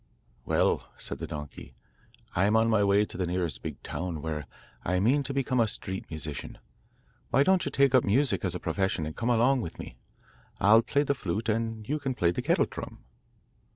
'Well,' said the donkey, 'I am on my way to the nearest big town, where I mean to become a street musician. Why don't you take up music as a profession and come along with me? I'll play the flute and you can play the kettle drum.